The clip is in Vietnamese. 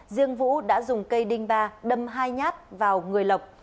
riêng vũ đã dùng cây đinh ba đâm hai nhát vào người lộc